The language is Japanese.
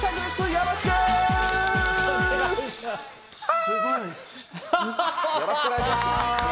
よろしくお願いします！